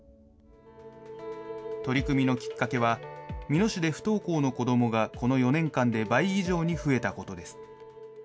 取り組みのきっかけは、美濃市で不登校の子どもがこの４年間で倍以上に増えたことです。